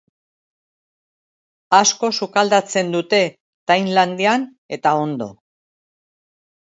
Asko sukaldatzen dute thainlandian eta ondo.